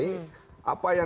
seneng sekali itu lain